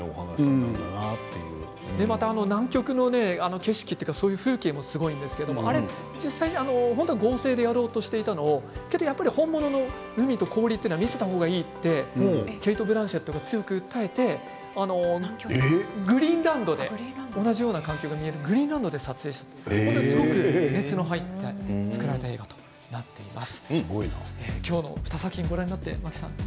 南極の景色や風景もすごいんですけれども実際に合成でやろうとしていたのを本物の海とかを見せた方がいいとケイト・ブランシェットが強く訴えてグリーンランドで同じような環境が見えるグリーンランドで撮影したというすごく熱の入った、作られた映画となっています。